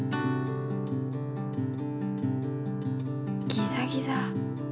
ギザギザ。